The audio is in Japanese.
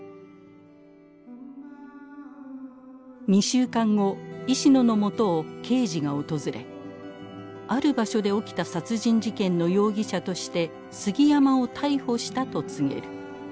２週間後石野のもとを刑事が訪れある場所で起きた殺人事件の容疑者として杉山を逮捕したと告げる。